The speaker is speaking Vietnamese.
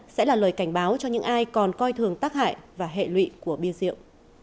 sẽ là lời cảnh báo cho những ai còn coi thường tác hại và hệ lụy của bia rượu